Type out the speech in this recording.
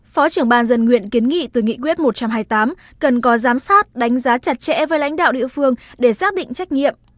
phó trưởng ban dân nguyện kiến nghị từ nghị quyết một trăm hai mươi tám cần có giám sát đánh giá chặt chẽ với lãnh đạo địa phương để xác định trách nhiệm